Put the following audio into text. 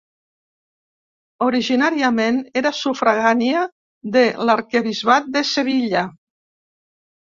Originàriament era sufragània de l'arquebisbat de Sevilla.